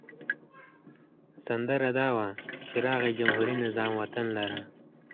سندره دا وه چې راغی جمهوري نظام وطن لره.